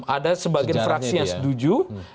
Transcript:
ada sebagian fraksi yang setuju